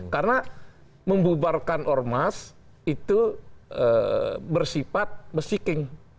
karena membubarkan ormas itu bersifat besiking